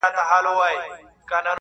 چي د زورورو ټولنو